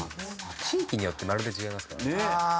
地域によってまるで違いますからね。